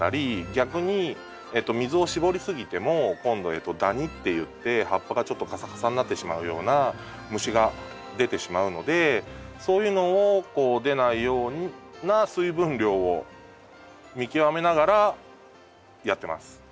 逆に水をしぼりすぎても今度ダニっていって葉っぱがちょっとカサカサになってしまうような虫が出てしまうのでそういうのを出ないような水分量を見極めながらやってます。